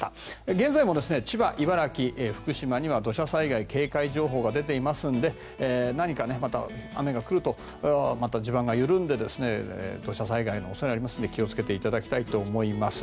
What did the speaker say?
現在も千葉、茨城、福島には土砂災害警戒情報が出ていますので何かまた雨が来ると地盤が緩んで土砂災害の恐れがありますので気をつけていただきたいと思います。